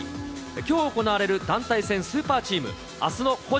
きょう行われる団体戦スーパーチーム、あすの個人